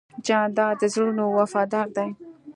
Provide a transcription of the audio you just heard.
جانداد د زړونو وفادار دی.